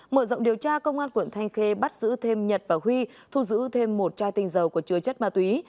mở rộng điều tra công an quận thanh khê bắt giữ thêm nhật và huy thu giữ thêm một chai tinh dầu có chứa chất ma túy